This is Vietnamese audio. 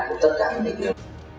của tất cả những mệnh viên